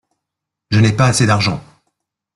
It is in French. Je n’ai pas assez d’argent.